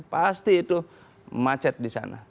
pasti itu macet di sana